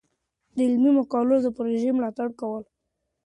د علمي مقالو د پروژو ملاتړ کول.